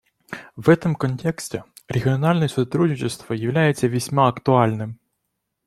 В этом контексте региональное сотрудничество является весьма актуальным.